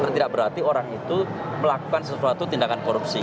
tidak berarti orang itu melakukan sesuatu tindakan korupsi